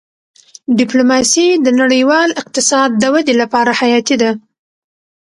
ډيپلوماسي د نړیوال اقتصاد د ودې لپاره حیاتي ده.